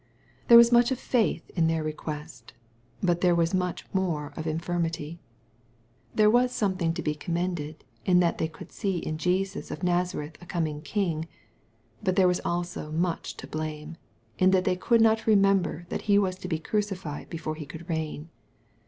There was much of faith in their request, but there was much more of infirmity. There was some thing to be commended, in that they could see in Jesus of Nazareth a coming king. But there was also much to blame, in that they did not remember that He was to be crucified before He could reign.